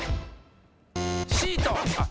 シート。